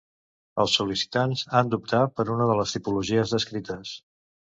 Els sol·licitants han d'optar per una de les tipologies descrites.